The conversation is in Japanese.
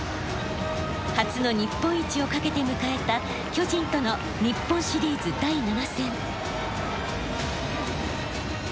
初の日本一を懸けて迎えた巨人との日本シリーズ第７戦。